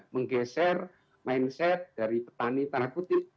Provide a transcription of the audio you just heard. menggeser mindset dari petani tanah putih